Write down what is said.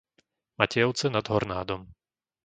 Matejovce nad Hornádom